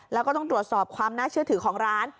แล้วก็ต้องตรวจสอบความน่าเชื่อถือของร้าน